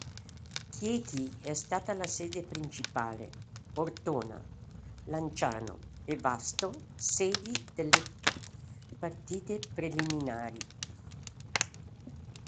Chieti è stata la sede principale, Ortona, Lanciano e Vasto sedi delle partite preliminari.